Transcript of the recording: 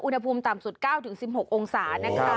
อุณหภูมิต่ำสุด๙๑๖องศานะคะ